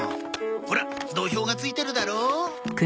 ほら土俵が付いてるだろう？